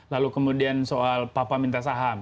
lalu kemudian soal papa minta saham